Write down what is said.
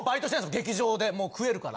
劇場でもう食えるから。